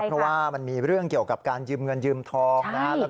เพราะว่ามันมีเรื่องเกี่ยวกับการยืมเงินยืมทองนะครับ